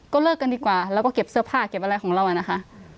เลิกกันดีกว่าแล้วก็เก็บเสื้อผ้าเก็บอะไรของเรานะคะ